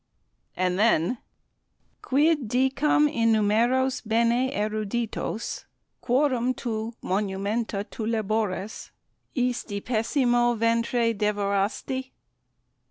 and then "Quid dicam innumeros bene eruditos Quorum tu monumenta tu labores Isti pessimo ventre devorasti?"